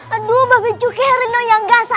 aduh babe cukai reno yang gasa